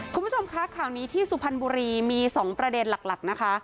คุณผู้ชมคะข่าวนี้ที่สุพรรณบุรีมี๒ประเด็นหลักนะคะ